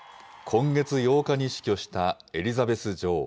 今月８日に死去したエリザベス女王。